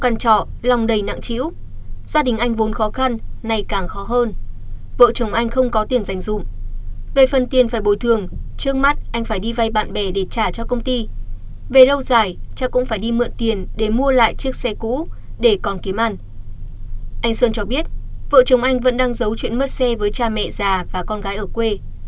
anh sơn cho biết vợ chồng anh vẫn đang giấu chuyện mất xe với cha mẹ già và con gái ở quê